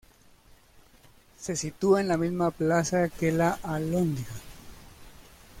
Se sitúa en la misma plaza que la alhóndiga.